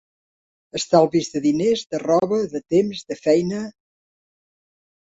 Estalvis de diners, de roba, de temps, de feina.